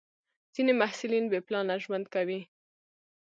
ځینې محصلین بې پلانه ژوند کوي.